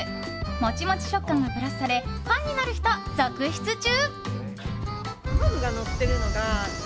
モチモチ食感がプラスされファンになる人、続出中！